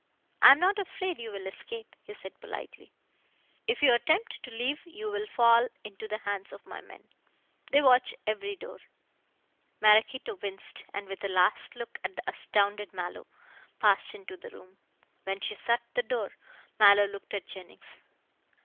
"I am not afraid you will escape," he said politely. "If you attempt to leave you will fall into the hands of my men. They watch every door." Maraquito winced, and with a last look at the astounded Mallow, passed into the room. When she shut the door Mallow looked at Jennings.